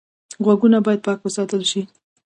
غوږونه باید پاک وساتل شي